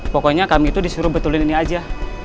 pokoknya kami tuh disuruh betulin ini aja